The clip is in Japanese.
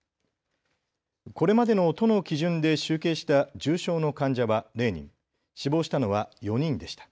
これまでの都の基準で集計した重症の患者は０人、死亡したのは４人でした。